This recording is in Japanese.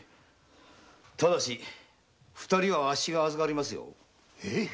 ただし二人はあっしが預かりますよ。